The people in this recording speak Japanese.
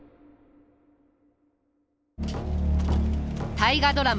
大河ドラマ